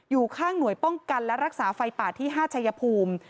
อยู่ข้างหน่วยป้องกันและรักษาไฟป่าที่๕ชายภูมิ